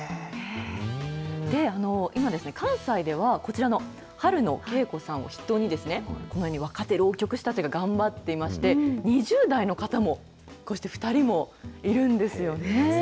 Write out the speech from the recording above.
今、関西では、こちらの春野恵子さんを筆頭に、このように若手浪曲師たちが頑張っていまして、２０代の方も、こうして２人もいるんですよね。